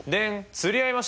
釣り合いました！